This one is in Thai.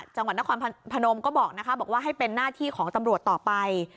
จังหวัดนครพนมก็บอกนะคะบอกว่าให้เป็นหน้าที่ของตำรวจต่อไป